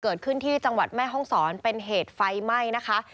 เกิดขึ้นที่จังหวัดแม่ห้องศรเป็นเหตุไฟไหม้นะคะ